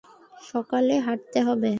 সকালে হাটতে হবে!